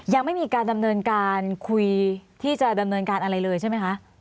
ยังไม่มีการดำเนินการคุยที่จะดำเนินการอะไรเลยใช่ไหมคะ